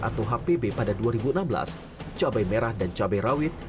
atau hpb pada dua ribu enam belas cabai merah dan cabai rawit